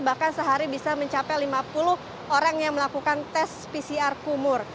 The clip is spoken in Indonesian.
bahkan sehari bisa mencapai lima puluh orang yang melakukan tes pcr kumur